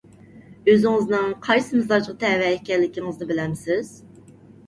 ئۆزىڭىزنىڭ قايسى مىزاجغا تەۋە ئىكەنلىكىڭىزنى بىلەمسىز؟